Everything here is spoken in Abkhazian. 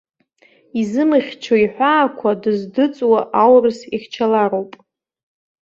Изымыхьчо иҳәаақәа, дыздыҵуа аурыс ихьчалароуп.